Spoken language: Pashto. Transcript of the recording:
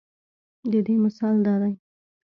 د دې مثال دا دے